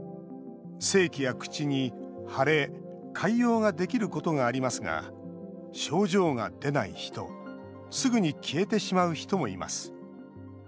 性器や口に腫れ、潰瘍ができることがありますが症状が出ない人すぐに消えてしまう人もいます。